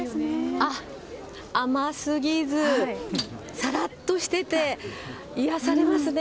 あっ、甘すぎず、さらっとしてて、癒やされますね。